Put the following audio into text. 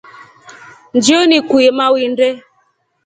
Njio nikuye nawinde.